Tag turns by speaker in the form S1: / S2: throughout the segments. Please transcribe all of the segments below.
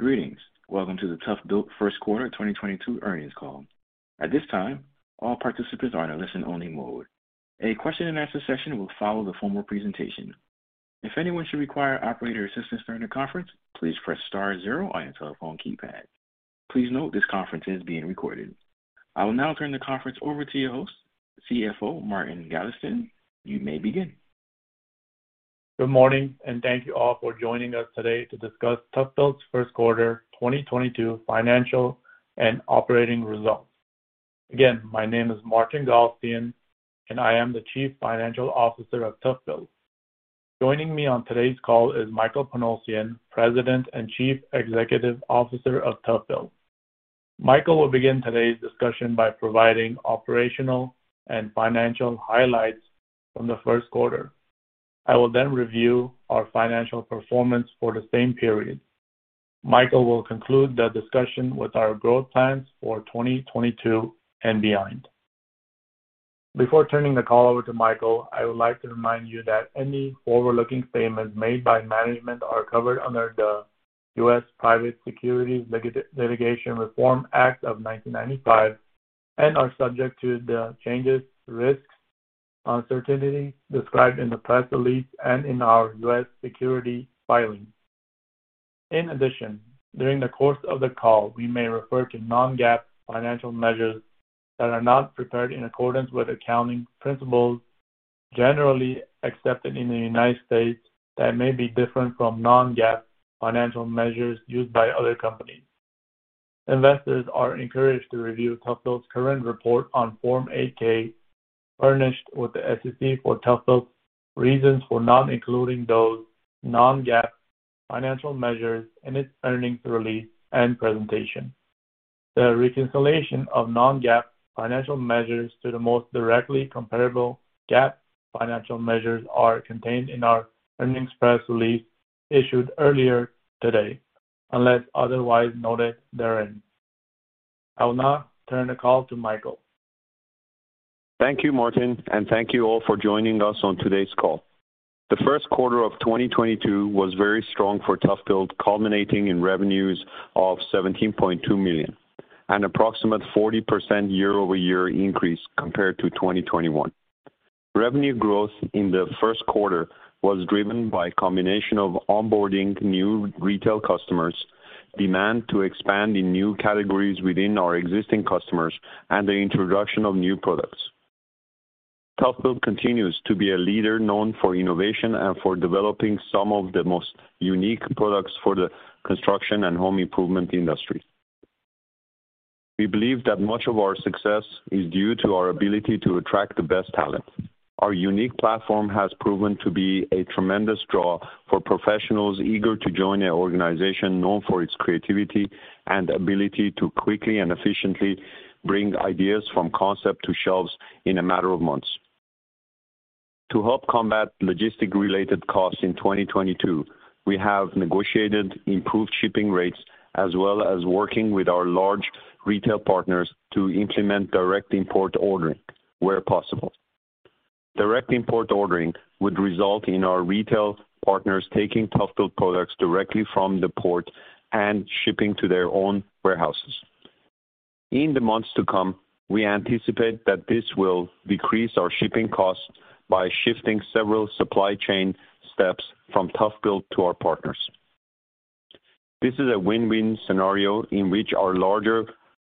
S1: Greetings. Welcome to the ToughBuilt Industries First Quarter 2022 Earnings Call. At this time, all participants are in a listen-only mode. A question and answer session will follow the formal presentation. If anyone should require operator assistance during the conference, please press star zero on your telephone keypad. Please note this conference is being recorded. I will now turn the conference over to your host, CFO, Martin Galstyan. You may begin.
S2: Good morning, and thank you all for joining us today to discuss ToughBuilt Industries's First Quarter 2022 Financial and Operating Results. Again, my name is Martin Galstyan, and I am the Chief Financial Officer of ToughBuilt Industries. Joining me on today's call is Michael Panosian, President and Chief Executive Officer of ToughBuilt Industries. Michael will begin today's discussion by providing operational and financial highlights from the first quarter. I will then review our financial performance for the same period. Michael will conclude the discussion with our growth plans for 2022 and beyond. Before turning the call over to Michael, I would like to remind you that any forward-looking statements made by management are covered under the U.S. Private Securities Litigation Reform Act of 1995 and are subject to the changes, risks, uncertainties described in the press release and in our U.S. securities filings. In addition, during the course of the call, we may refer to non-GAAP financial measures that are not prepared in accordance with accounting principles generally accepted in the United States that may be different from non-GAAP financial measures used by other companies. Investors are encouraged to review ToughBuilt Industries's current report on Form 8-K furnished with the SEC for ToughBuilt Industries's reasons for not including those non-GAAP financial measures in its earnings release and presentation. The reconciliation of non-GAAP financial measures to the most directly comparable GAAP financial measures are contained in our earnings press release issued earlier today, unless otherwise noted therein. I will now turn the call to Michael.
S3: Thank you, Martin, and thank you all for joining us on today's call. The first quarter of 2022 was very strong for ToughBuilt Industries, culminating in revenues of $17.2 million, an approximate 40% year-over-year increase compared to 2021. Revenue growth in the first quarter was driven by a combination of onboarding new retail customers, demand to expand in new categories within our existing customers, and the introduction of new products. ToughBuilt Industries continues to be a leader known for innovation and for developing some of the most unique products for the construction and home improvement industry. We believe that much of our success is due to our ability to attract the best talent. Our unique platform has proven to be a tremendous draw for professionals eager to join an organization known for its creativity and ability to quickly and efficiently bring ideas from concept to shelves in a matter of months. To help combat logistic-related costs in 2022, we have negotiated improved shipping rates as well as working with our large retail partners to implement direct import ordering where possible. Direct import ordering would result in our retail partners taking ToughBuilt Industries products directly from the port and shipping to their own warehouses. In the months to come, we anticipate that this will decrease our shipping costs by shifting several supply chain steps from ToughBuilt Industries to our partners. This is a win-win scenario in which our larger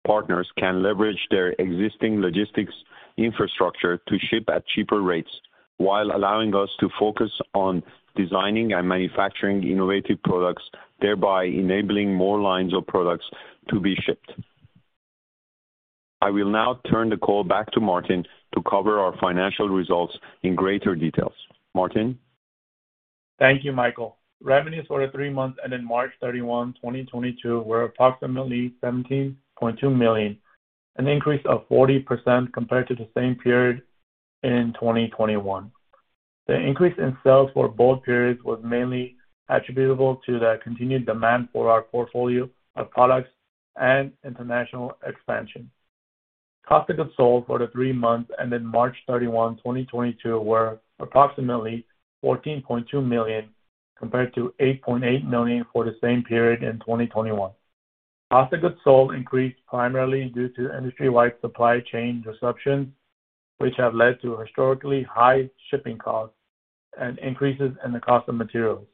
S3: partners can leverage their existing logistics infrastructure to ship at cheaper rates while allowing us to focus on designing and manufacturing innovative products, thereby enabling more lines of products to be shipped. I will now turn the call back to Martin to cover our financial results in greater details. Martin.
S2: Thank you, Michael. Revenues for the three months ending March 31, 2022 were approximately $17.2 million, an increase of 40% compared to the same period in 2021. The increase in sales for both periods was mainly attributable to the continued demand for our portfolio of products and international expansion. Cost of goods sold for the three months ending March 31, 2022 were approximately $14.2 million, compared to $8.8 million for the same period in 2021. Cost of goods sold increased primarily due to industry-wide supply chain disruptions, which have led to historically high shipping costs and increases in the cost of materials.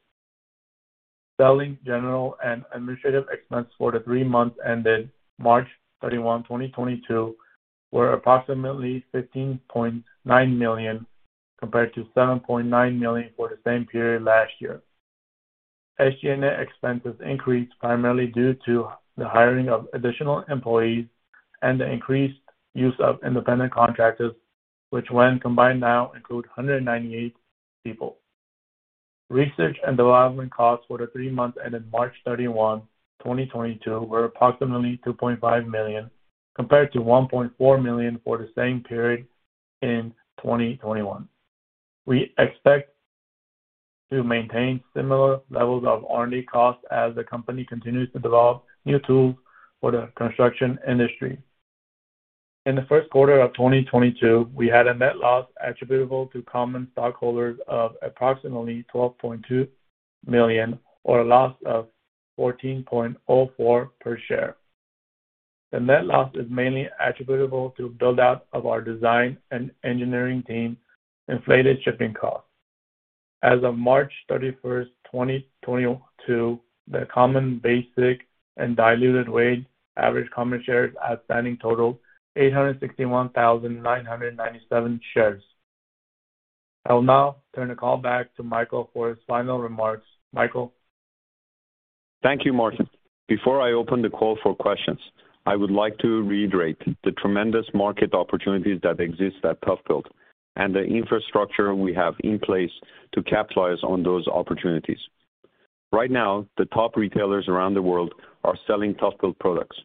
S2: Selling, general, and administrative expense for the three months ending March 31, 2022 were approximately $15.9 million, compared to $7.9 million for the same period last year. SG&A expenses increased primarily due to the hiring of additional employees and the increased use of independent contractors, which when combined now include 198 people. Research and development costs for the three months ending March 31, 2022 were approximately $2.5 million, compared to $1.4 million for the same period in 2021. We expect to maintain similar levels of R&D costs as the company continues to develop new tools for the construction industry. In the first quarter of 2022, we had a net loss attributable to common stockholders of approximately $12.2 million or a loss of $14.04 per share. The net loss is mainly attributable to build-out of our design and engineering team, inflated shipping costs. As of March 31, 2022, the basic and diluted weighted average common shares outstanding totaled 861,997 shares. I'll now turn the call back to Michael for his final remarks. Michael.
S3: Thank you, Martin. Before I open the call for questions, I would like to reiterate the tremendous market opportunities that exist at ToughBuilt and the infrastructure we have in place to capitalize on those opportunities. Right now, the top retailers around the world are selling ToughBuilt products,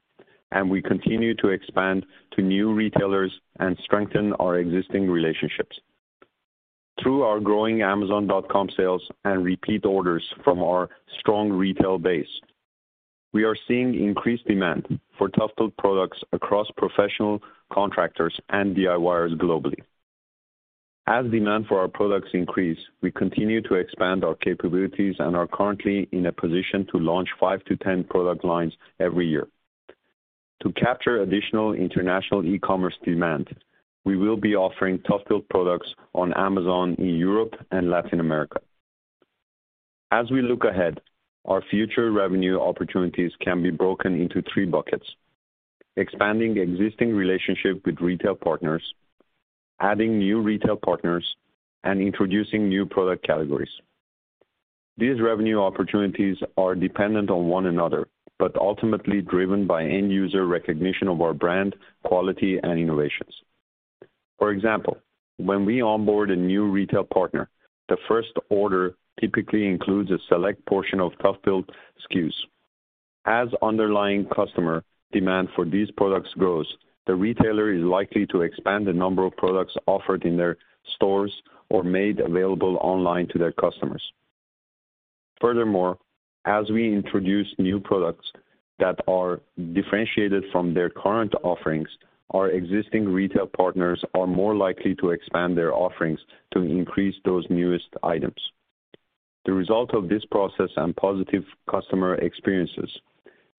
S3: and we continue to expand to new retailers and strengthen our existing relationships. Through our growing Amazon.com sales and repeat orders from our strong retail base, we are seeing increased demand for ToughBuilt products across professional contractors and DIYers globally. As demand for our products increase, we continue to expand our capabilities and are currently in a position to launch 5-10 product lines every year. To capture additional international e-commerce demand, we will be offering ToughBuilt products on Amazon in Europe and Latin America. As we look ahead, our future revenue opportunities can be broken into three buckets, expanding existing relationship with retail partners, adding new retail partners, and introducing new product categories. These revenue opportunities are dependent on one another but ultimately driven by end user recognition of our brand, quality, and innovations. For example, when we onboard a new retail partner, the first order typically includes a select portion of ToughBuilt SKUs. As underlying customer demand for these products grows, the retailer is likely to expand the number of products offered in their stores or made available online to their customers. Furthermore, as we introduce new products that are differentiated from their current offerings, our existing retail partners are more likely to expand their offerings to increase those newest items. The result of this process and positive customer experiences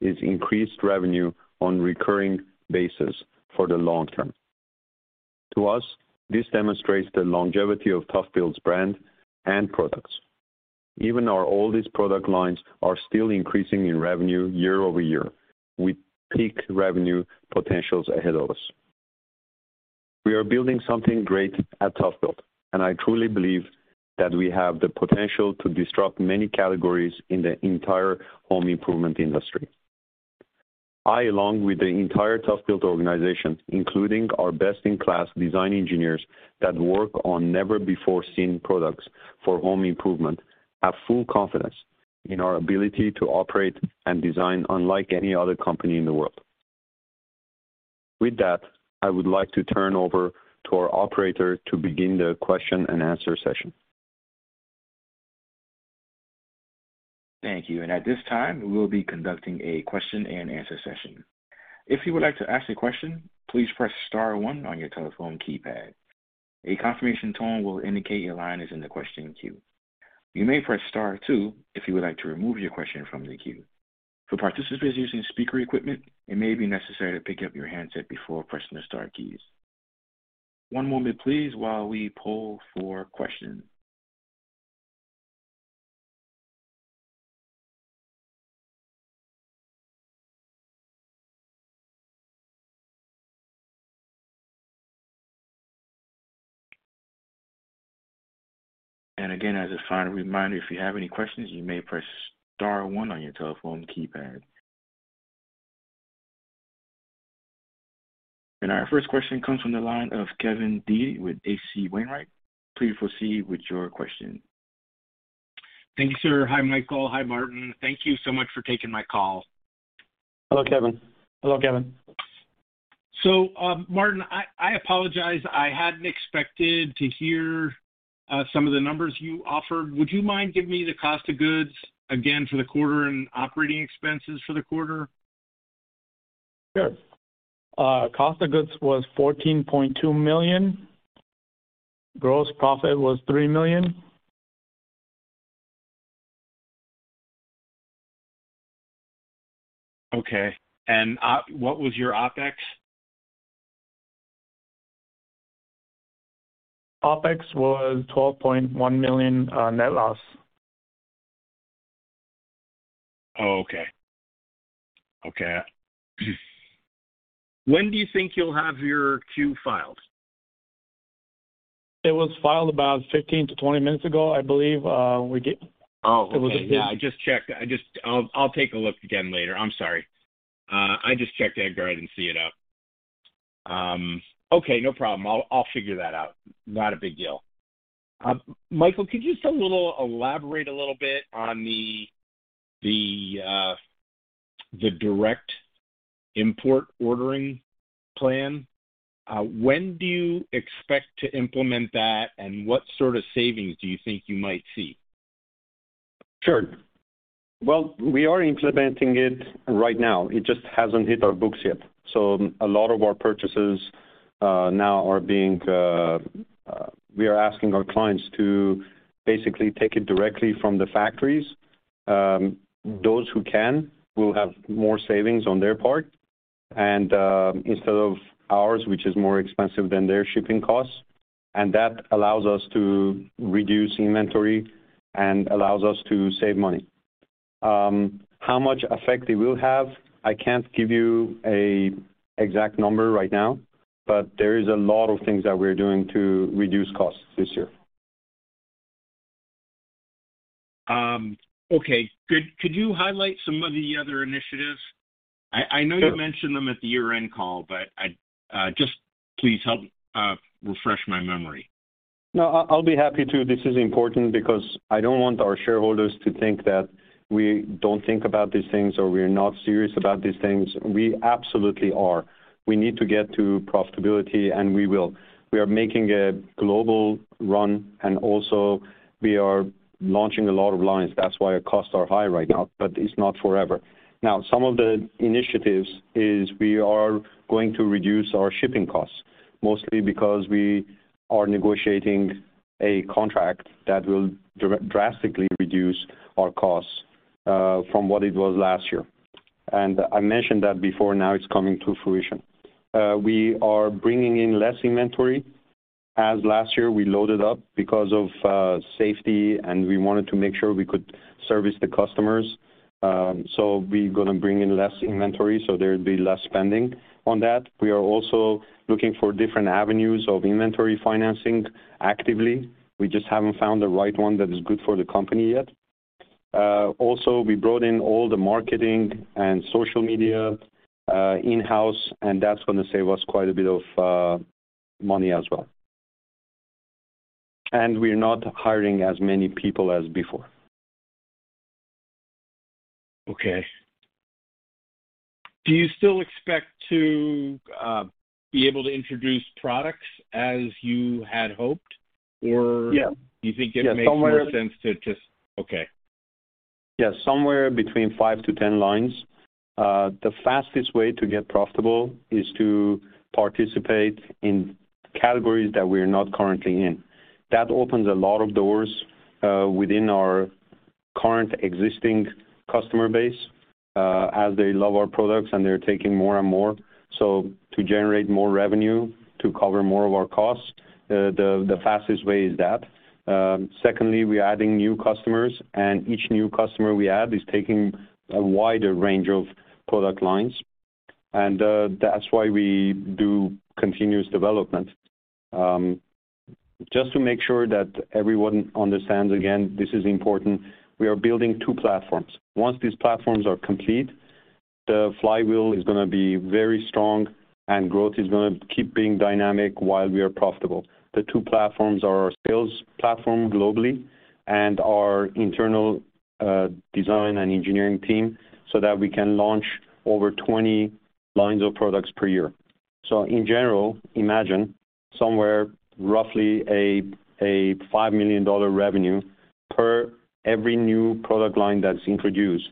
S3: is increased revenue on recurring basis for the long term. To us, this demonstrates the longevity of ToughBuilt's brand and products. Even our oldest product lines are still increasing in revenue year over year, with peak revenue potentials ahead of us. We are building something great at ToughBuilt, and I truly believe that we have the potential to disrupt many categories in the entire home improvement industry. I, along with the entire ToughBuilt organization, including our best-in-class design engineers that work on never-before-seen products for home improvement, have full confidence in our ability to operate and design unlike any other company in the world. With that, I would like to turn over to our operator to begin the question and answer session.
S1: Thank you. At this time, we will be conducting a question and answer session. If you would like to ask a question, please press star one on your telephone keypad. A confirmation tone will indicate your line is in the question queue. You may press star two if you would like to remove your question from the queue. For participants using speaker equipment, it may be necessary to pick up your handset before pressing the star keys. One moment please while we poll for questions. Again, as a final reminder, if you have any questions, you may press star one on your telephone keypad. Our first question comes from the line of Kevin Dede with H.C. Wainwright. Please proceed with your question.
S4: Thank you, sir. Hi, Michael. Hi, Martin. Thank you so much for taking my call.
S2: Hello, Kevin.
S3: Hello, Kevin.
S4: Martin, I apologize. I hadn't expected to hear some of the numbers you offered. Would you mind giving me the cost of goods again for the quarter and operating expenses for the quarter?
S2: Sure. Cost of goods was $14.2 million. Gross profit was $3 million.
S4: Okay. What was your OpEx?
S2: OpEx was $12.1 million net loss.
S4: When do you think you'll have your Q filed?
S2: It was filed about 15-20 minutes ago, I believe.
S4: Oh, okay. Yeah, I just checked. I'll take a look again later. I'm sorry. I just checked EDGAR and didn't see it up. Okay, no problem. I'll figure that out. Not a big deal. Michael, could you just a little elaborate a little bit on the direct import ordering plan? When do you expect to implement that, and what sort of savings do you think you might see?
S3: Sure. Well, we are implementing it right now. It just hasn't hit our books yet. A lot of our purchases, we are asking our clients to basically take it directly from the factories. Those who can will have more savings on their part and instead of ours, which is more expensive than their shipping costs. That allows us to reduce inventory and allows us to save money. How much effect it will have, I can't give you an exact number right now, but there is a lot of things that we're doing to reduce costs this year.
S4: Okay. Could you highlight some of the other initiatives? I know you mentioned them at the year-end call, but I'd just please help refresh my memory.
S3: No, I'll be happy to. This is important because I don't want our shareholders to think that we don't think about these things or we're not serious about these things. We absolutely are. We need to get to profitability, and we will. We are making a global run, and also we are launching a lot of lines. That's why our costs are high right now, but it's not forever. Now, some of the initiatives is we are going to reduce our shipping costs, mostly because we are negotiating a contract that will drastically reduce our costs from what it was last year. I mentioned that before, now it's coming to fruition. We are bringing in less inventory. As last year, we loaded up because of safety, and we wanted to make sure we could service the customers. We're gonna bring in less inventory, so there'd be less spending on that. We are also looking for different avenues of inventory financing actively. We just haven't found the right one that is good for the company yet. We brought in all the marketing and social media in-house, and that's gonna save us quite a bit of money as well. We're not hiring as many people as before.
S4: Okay. Do you still expect to be able to introduce products as you had hoped or?
S3: Yeah.
S4: Okay.
S3: Yeah, somewhere between 5-10 lines. The fastest way to get profitable is to participate in categories that we're not currently in. That opens a lot of doors within our current existing customer base as they love our products and they're taking more and more. To generate more revenue to cover more of our costs, the fastest way is that. Secondly, we're adding new customers, and each new customer we add is taking a wider range of product lines. That's why we do continuous development. Just to make sure that everyone understands, again, this is important, we are building two platforms. Once these platforms are complete, the flywheel is gonna be very strong and growth is gonna keep being dynamic while we are profitable. The two platforms are our sales platform globally and our internal, design and engineering team so that we can launch over 20 lines of products per year. In general, imagine somewhere roughly a $5 million revenue per every new product line that's introduced.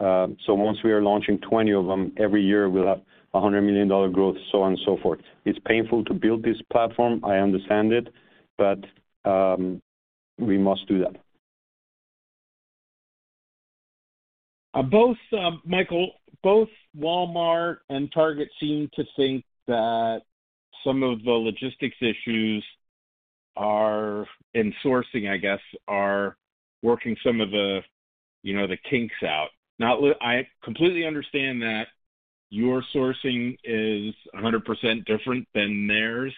S3: Once we are launching 20 of them every year, we'll have a $100 million growth, so on and so forth. It's painful to build this platform, I understand it, but we must do that.
S4: Michael, both Walmart and Target seem to think that some of the logistics issues are in sourcing, I guess, are working some of the, you know, the kinks out. Now, look, I completely understand that your sourcing is a 100% different than theirs,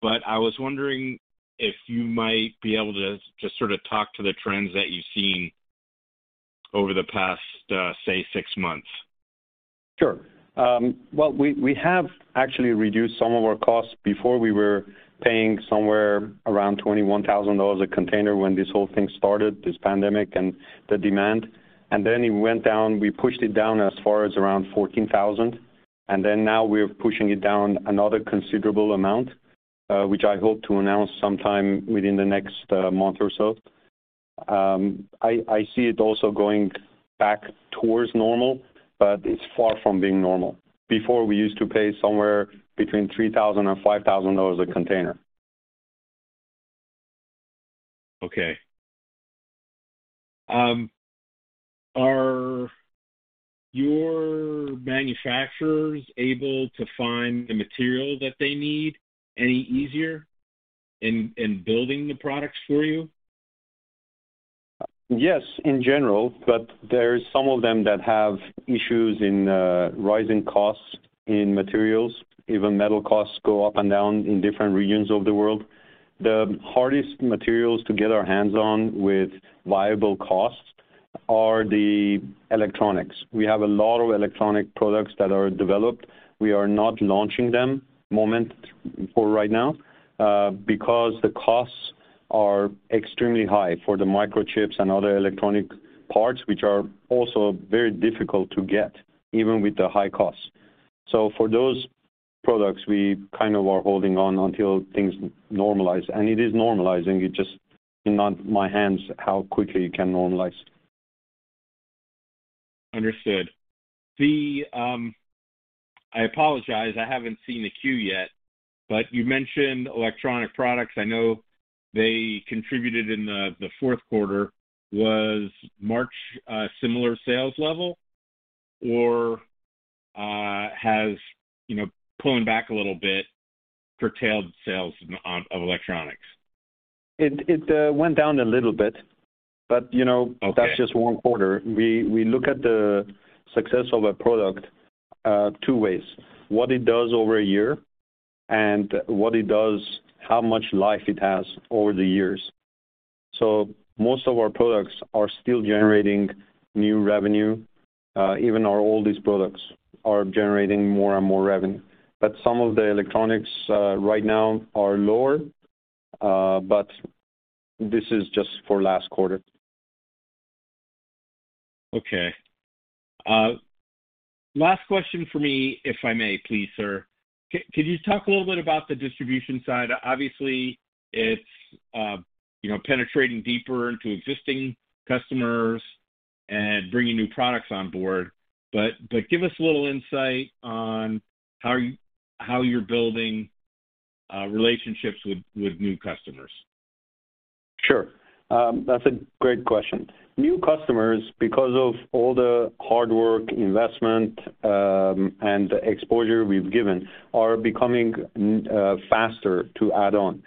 S4: but I was wondering if you might be able to just sort of talk to the trends that you've seen over the past, say six months.
S3: Sure. Well, we have actually reduced some of our costs. Before we were paying somewhere around $21,000 a container when this whole thing started, this pandemic and the demand. It went down. We pushed it down as far as around $14,000. Now we're pushing it down another considerable amount, which I hope to announce sometime within the next month or so. I see it also going back towards normal, but it's far from being normal. Before we used to pay somewhere between $3,000 and $5,000 a container.
S4: Okay. Are your manufacturers able to find the material that they need any easier in building the products for you?
S3: Yes, in general, but there's some of them that have issues in rising costs in materials. Even metal costs go up and down in different regions of the world. The hardest materials to get our hands on with viable costs are the electronics. We have a lot of electronic products that are developed. We are not launching them for right now because the costs are extremely high for the microchips and other electronic parts, which are also very difficult to get, even with the high costs. So for those products we kind of are holding on until things normalize. It is normalizing, it's just not in my hands how quickly it can normalize.
S4: Understood. I apologize, I haven't seen the queue yet, but you mentioned electronic products. I know they contributed in the fourth quarter. Was March a similar sales level or has you know, pulling back a little bit curtailed sales of electronics?
S3: It went down a little bit, but you know.
S4: Okay.
S3: That's just one quarter. We look at the success of a product two ways, what it does over a year and what it does, how much life it has over the years. Most of our products are still generating new revenue, even our oldest products are generating more and more revenue. Some of the electronics right now are lower, but this is just for last quarter.
S4: Okay. Last question for me, if I may, please, sir. Could you talk a little bit about the distribution side? Obviously, it's you know, penetrating deeper into existing customers and bringing new products on board, but give us a little insight on how you're building relationships with new customers.
S3: Sure. That's a great question. New customers, because of all the hard work, investment, and the exposure we've given, are becoming faster to add on.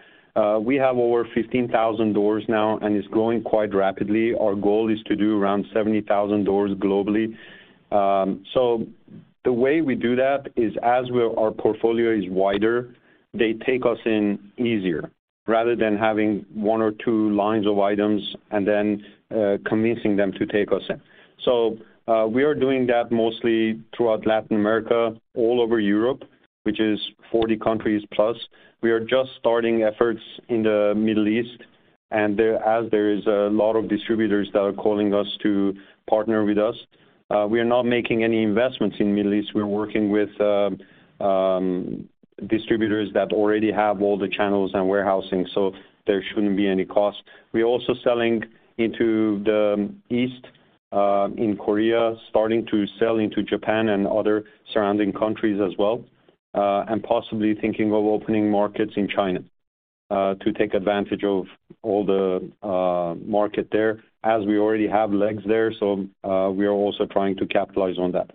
S3: We have over 15,000 doors now, and it's growing quite rapidly. Our goal is to do around 70,000 doors globally. The way we do that is our portfolio is wider, they take us in easier rather than having one or two lines of items and then, convincing them to take us in. We are doing that mostly throughout Latin America, all over Europe, which is 40 countries. We are just starting efforts in the Middle East, and as there is a lot of distributors that are calling us to partner with us. We are not making any investments in the Middle East. We're working with distributors that already have all the channels and warehousing, so there shouldn't be any cost. We're also selling into the East, in Korea, starting to sell into Japan and other surrounding countries as well, and possibly thinking of opening markets in China, to take advantage of all the market there as we already have legs there. We are also trying to capitalize on that.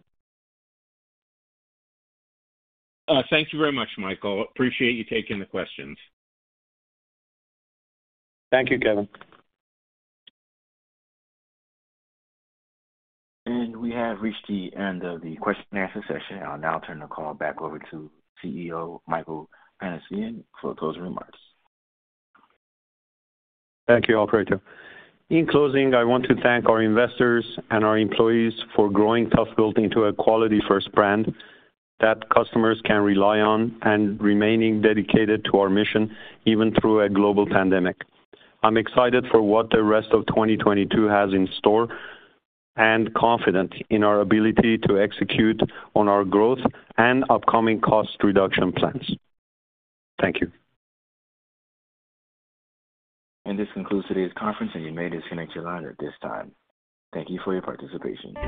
S4: Thank you very much, Michael. Appreciate you taking the questions.
S3: Thank you, Kevin.
S1: We have reached the end of the question and answer session. I'll now turn the call back over to CEO, Michael Panosian, for closing remarks.
S3: Thank you, operator. In closing, I want to thank our investors and our employees for growing ToughBuilt into a quality-first brand that customers can rely on and remaining dedicated to our mission even through a global pandemic. I'm excited for what the rest of 2022 has in store and confident in our ability to execute on our growth and upcoming cost reduction plans. Thank you.
S1: This concludes today's conference, and you may disconnect your line at this time. Thank you for your participation.